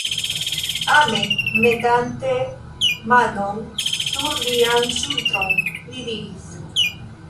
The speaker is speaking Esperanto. Ame metante manon sur lian ŝultron, li diris: